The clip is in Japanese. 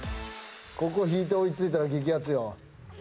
ここ引いて追い付いたら激アツよ。